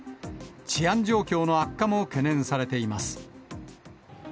治安状況の悪化も懸念されています。